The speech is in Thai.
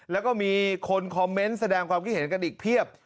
แล้วก็มีคนคอมเมนต์แสดงความคิดเห็นกันอีกเพียบ